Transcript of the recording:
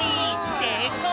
せいこう！